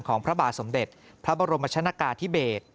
พระบาทสมเด็จพระบรมชนกาธิเบศ